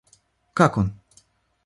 Как он?